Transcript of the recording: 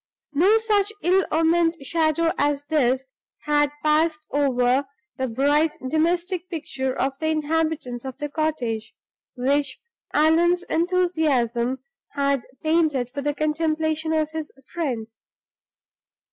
No such ill omened shadow as this had passed over the bright domestic picture of the inhabitants of the cottage, which Allan's enthusiasm had painted for the contemplation of his friend.